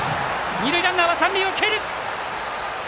二塁ランナーは三塁を蹴った。